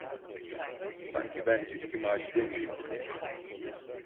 Sanki ben eski Macide miyim?